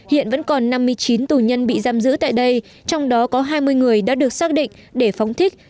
hiện vẫn còn năm mươi chín tù nhân bị giam giữ tại đây trong đó có hai mươi người đã được xác định để phóng thích